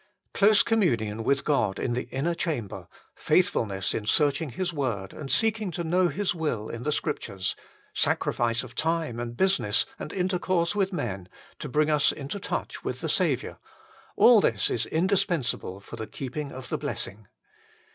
Close communion with God in the inner chamber, faithfulness in searching His Word and seeking to know His will in the Scriptures, sacrifice of time and business and intercourse with men, to bring us into touch with the Saviour all this is indispensable for the keeping of the blessing.